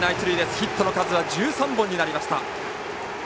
ヒットの数は１３本になりました。